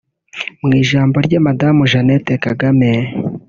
Mu ijambo rye Madamu Jeannette Kagame